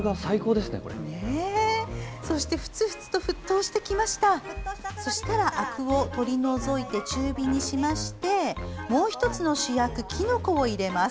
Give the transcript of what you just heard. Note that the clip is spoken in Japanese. ふつふつと沸騰してきましたらあくをとり除いて中火にしましてもう１つの主役きのこを入れます。